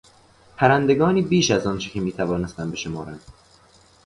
پرندگانی بیش از آنچه که میتوانستم بشمارم